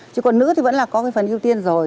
chứ còn nữ thì vẫn là có cái phần ưu tiên rồi